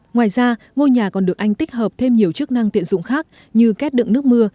ngoài ra ngôi nhà còn được anh tích hợp thêm nhiều chức năng tiện dụng khác như kết đựng nước mưa